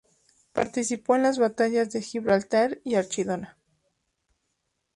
Participó en las batallas de Gibraltar y Archidona.